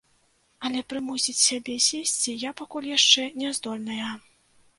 Але прымусіць сябе сесці я пакуль яшчэ не здольная.